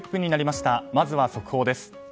まずは速報です。